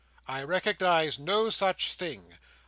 I recognise no such thing.